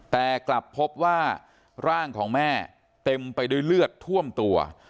แต่กลับพบว่าร่างของแม่เต็มไปด้วยเลือดท่วมตัว